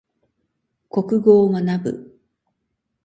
国語を学ぶ。